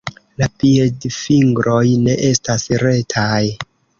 La piedfingroj ne estas retaj.